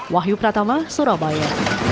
wahyu pratama surabaya